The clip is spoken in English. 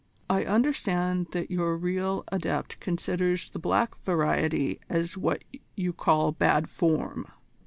I understand that your real adept considers the black variety as what you call bad form."